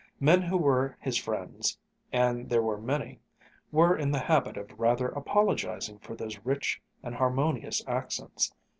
Men who were his friends (and they were many) were in the habit of rather apologizing for those rich and harmonious accents.